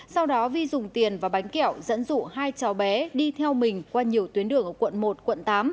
sau đó vi dùng tiền và bánh kẹo dẫn dụ hai cháu bé đi theo mình qua nhiều tuyến đường ở quận một quận tám